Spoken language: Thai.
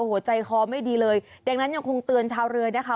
หัวใจคอไม่ดีเลยดังนั้นยังคงเตือนชาวเรือนะคะ